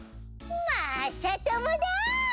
まさともだ！